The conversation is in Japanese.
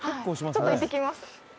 ちょっと行ってきます